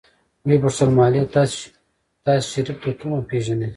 ويې پوښتل مالې تاسې شريف د کومه پېژنئ.